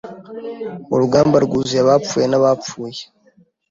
Urugamba rwuzuye abapfuye n'abapfuye.